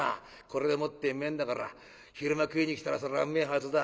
これでもってうめえんだから昼間食いに来たらそれはうめえはずだ。